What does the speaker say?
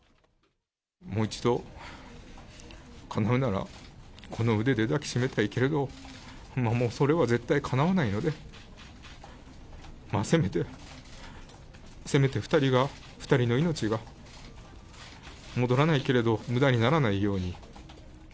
もう一度、可能なら、この腕で抱き締めたいけれども、もうそれは絶対かなわないので、せめて、せめて２人が、２人の命が、戻らないけれどむだにならないように。